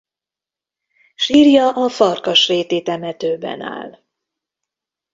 Sírja a Farkasréti temetőben áll.